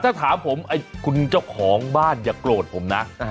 ถ้าถามผมคุณเจ้าของบ้านอย่าโกรธผมนะ